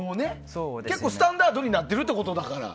結構スタンダードになってるってことだ。